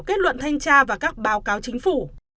kết luận thanh tra và các báo cáo chính phủ